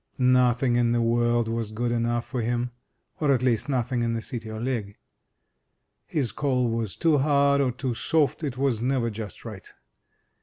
Nothing in the world was good enough for him; or, at least, nothing in the City o* Ligg. His coal was too hard or too soft; it was never just right.